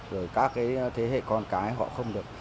rồi các cái thế hệ con cái họ không được